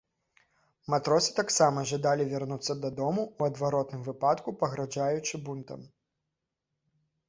Матросы таксама жадалі вярнуцца дадому, у адваротным выпадку пагражаючы бунтам.